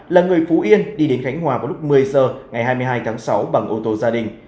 là người phú yên đi đến khánh hòa vào lúc một mươi h ngày hai mươi hai tháng sáu bằng ô tô gia đình